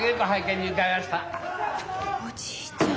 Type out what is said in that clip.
おじいちゃん。